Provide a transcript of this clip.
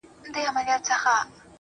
څښل مو تويول مو شرابونه د جلال.